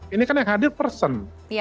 ini kan yang hadir person